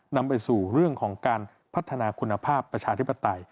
นำไปสู่เรื่องของการพัฒนาคุณภาพประชาธิปไตย